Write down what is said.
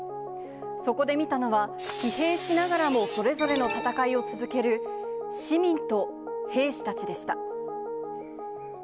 そこで見たのは、疲弊しながらもそれぞれの戦いを続ける市民と兵士たちでした。